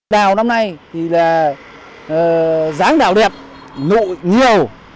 đào năm nay thì là dáng đảo đẹp nội nhiều